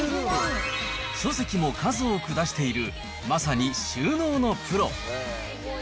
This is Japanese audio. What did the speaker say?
書籍も数多く出している、まさに収納のプロ。